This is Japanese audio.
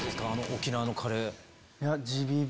沖縄のカレー。